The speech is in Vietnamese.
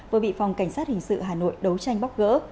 vừa bị phòng cảnh sát hình sự hà nội đấu tranh bóc gỡ